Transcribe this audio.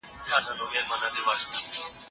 مرستيال ښوونکی څنګه د زده کوونکو پوښتنو ته ځواب وايي؟